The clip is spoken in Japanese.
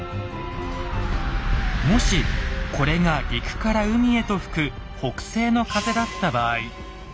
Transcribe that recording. もしこれが陸から海へと吹く北西の風だった場合。